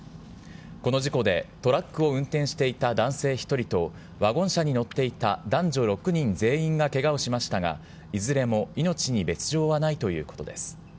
この事故でトラックを運転していた男性１人と、ワゴン車に乗っていた男女６人全員がけがをしましたが、いずれも命に別状はないということです。